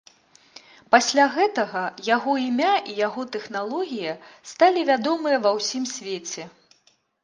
Пасля гэтага яго імя і яго тэхналогія сталі вядомыя ва ўсім свеце.